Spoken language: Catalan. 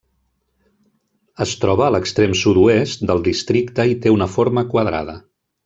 Es troba a l'extrem sud-oest del districte i té una forma quadrada.